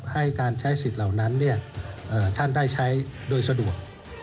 ให้การใช้สิทธิ์เหล่านั้นท่านได้ใช้โดยสะดวก